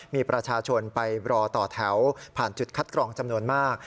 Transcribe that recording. มีประชาชนไปรอต่อแถวผ่านจุดคัดกรองจำนวนมาก